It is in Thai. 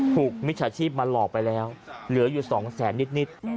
มิจฉาชีพมาหลอกไปแล้วเหลืออยู่๒แสนนิด